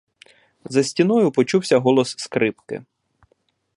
За стіною почувся голос скрипки.